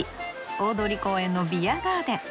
大通公園のビアガーデン。